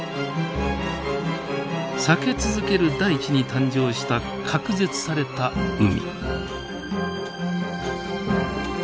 裂け続ける大地に誕生した隔絶された海。